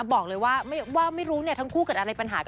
บอกเลยว่าไม่รู้ทั้งคู่เกิดอะไรปัญหา